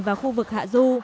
và khu vực hạ du